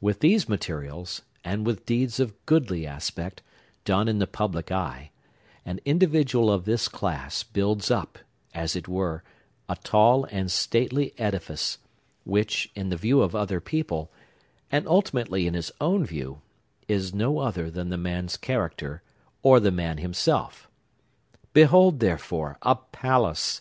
With these materials, and with deeds of goodly aspect, done in the public eye, an individual of this class builds up, as it were, a tall and stately edifice, which, in the view of other people, and ultimately in his own view, is no other than the man's character, or the man himself. Behold, therefore, a palace!